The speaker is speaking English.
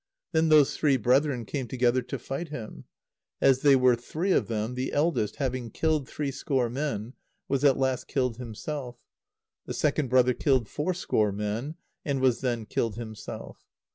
Then those three brethren came together to fight him. As they were three of them, the eldest, having killed three score men, was at last killed himself. The second brother killed four score men, and was then killed himself.